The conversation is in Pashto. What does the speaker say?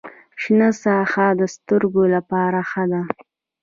شنه ساحه د سترګو لپاره ښه ده